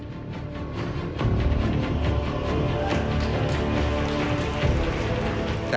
ขอบคุณครับ